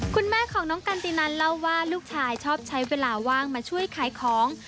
คุณแม่ของน้องกันตินันเล่าว่าลูกชายชอบใช้เวลาว่างมาช่วยขายของ